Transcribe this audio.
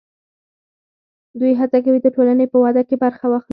دوی هڅه کوي د ټولنې په وده کې برخه واخلي.